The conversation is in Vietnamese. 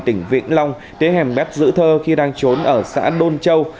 tỉnh vĩnh long tới hẻm mét giữ thơ khi đang trốn ở xã đôn châu